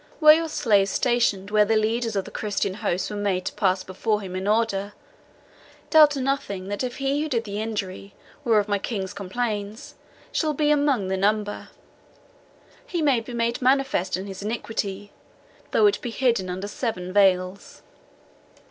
Were your slave stationed where the leaders of the Christian host were made to pass before him in order, doubt nothing that if he who did the injury whereof my King complains shall be among the number, he may be made manifest in his iniquity, though it be hidden under seven veils."